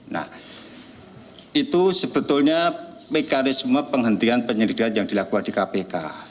nah itu sebetulnya mekanisme penghentian penyelidikan yang dilakukan di kpk